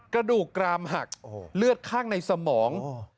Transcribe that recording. กระดูกกรามหักเลือดข้างในสมอง